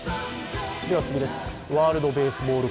ワールドベースボール